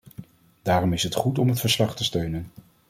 Daarom is het goed om het verslag te steunen.